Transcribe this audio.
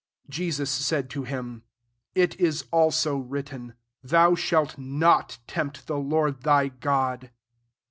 " 7 Je sus said to him, <* It is also writ ten, * Thou shalt not tempt the Lord thy God.'